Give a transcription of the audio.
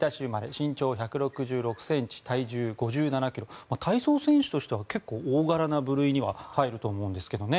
身長１６６ｃｍ体重５７ｋｇ体操選手としては結構大柄な部類には入ると思うんですけどね。